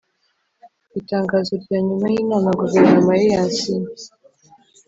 ku itangazo rya nyuma y’inama guverinoma ye yasinye